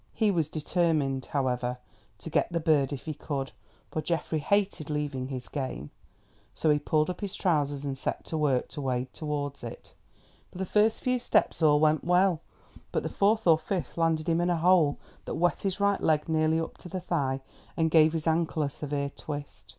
He was determined, however, to get the bird if he could, for Geoffrey hated leaving his game, so he pulled up his trousers and set to work to wade towards it. For the first few steps all went well, but the fourth or fifth landed him in a hole that wet his right leg nearly up to the thigh and gave his ankle a severe twist.